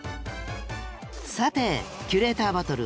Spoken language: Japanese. さてキュレーターバトル